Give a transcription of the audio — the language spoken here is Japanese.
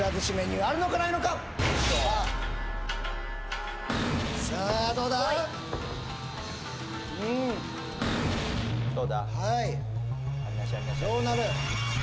はいどうなる？